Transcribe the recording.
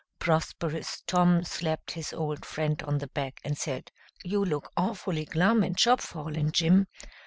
Prosperous Tom slapped his old friend on the back and said, "You look awfully glum and chopfallen, Jim.